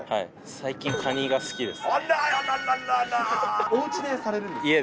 最近、カニが好きです。